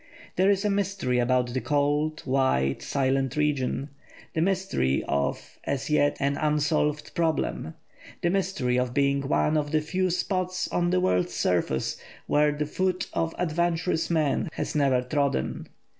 There is a mystery about the cold, white, silent region; the mystery of, as yet, an unsolved problem; the mystery of being one of the few spots on the world's surface where the foot of adventurous man has never trodden.